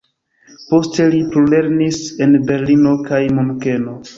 Poste li plulernis en Berlino kaj Munkeno.